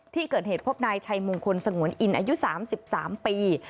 ที่เกิดเหตุพบนายชัยมงคลสงวนอินอายุ๓๓ปี